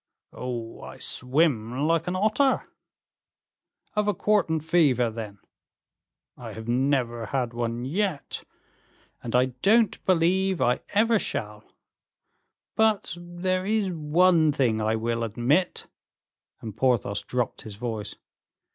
"Oh! I swim like an otter." "Of a quartan fever, then?" "I have never had one yet, and I don't believe I ever shall; but there is one thing I will admit," and Porthos dropped his voice.